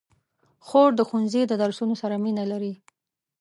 خور د ښوونځي د درسونو سره مینه لري.